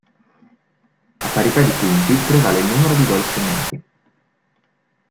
A parità di punti prevale il numero di gol segnati.